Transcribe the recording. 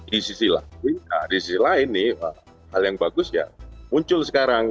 di sisi lain hal yang bagus ya muncul sekarang